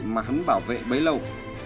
mà hắn bảo vệ bấy lâu